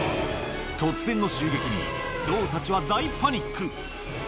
突然の襲撃にゾウたちは大パニック